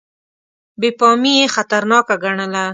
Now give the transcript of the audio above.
بې پامي یې خطرناکه ګڼله.